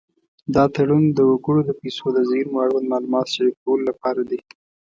دا تړون د وګړو د پیسو د زېرمو اړوند معلومات شریکولو لپاره دی.